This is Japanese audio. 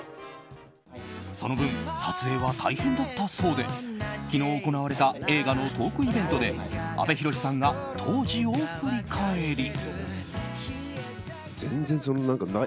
その分、撮影は大変だったそうで昨日行われた映画のトークイベントで阿部寛さんが当時を振り返り。